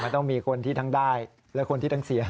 ต้องมีคนที่ทั้งได้และคนที่ทั้งเสีย